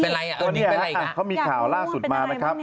เป็นอะไรอ่ะตอนนี้เขามีข่าวล่าสุดมานะครับ